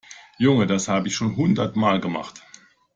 Junge, das habe ich heute schon hundertmal gemacht.